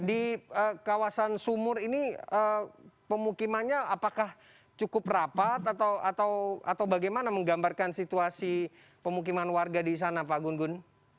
di kawasan sumur ini pemukimannya apakah cukup rapat atau bagaimana menggambarkan situasi pemukiman warga di sana pak gun gun